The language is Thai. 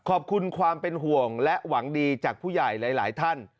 ขอบคุณความเป็นห่วงและหวังดีจากผู้ใหญ่หลายท่าน